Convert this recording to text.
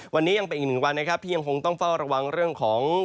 วันนี้ยังเป็นอีกหนึ่งวันนะครับที่ยังคงต้องเฝ้าระวังเรื่องของ